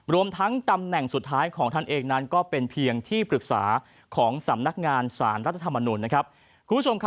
รวมทั้งตำแหน่งสุดท้ายของท่านเองนั้นก็เป็นเพียงที่ปรึกษาของสำนักงานสารรัฐธรรมนุนนะครับ